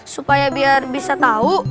supaya biar bisa tau